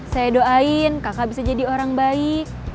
saya doain kakak bisa jadi orang baik